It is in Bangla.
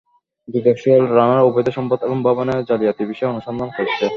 দুদক সোহেল রানার অবৈধ সম্পদ এবং ভবনে জালিয়াতির বিষয়ে অনুসন্ধান করছে।